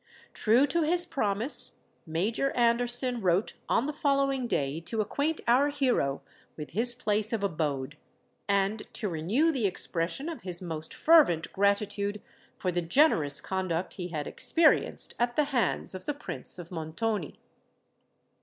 True to his promise, Major Anderson wrote on the following day to acquaint our hero with his place of abode, and to renew the expression of his most fervent gratitude for the generous conduct he had experienced at the hands of the Prince of Montoni.